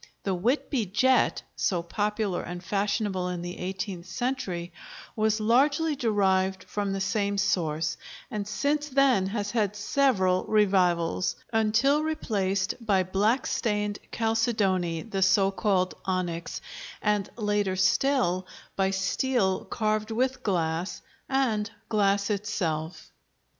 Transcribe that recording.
The "Whitby jet," so popular and fashionable in the eighteenth century, was largely derived from the same source, and since then has had several revivals, until replaced by black stained chalcedony, the so called onyx, and, later still, by steel carved with glass and glass itself.